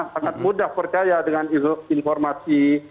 sangat mudah percaya dengan informasi